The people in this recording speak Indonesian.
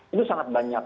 itu sangat banyak